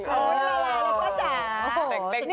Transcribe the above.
เข้าสู่เรื่องอะไรก็จัด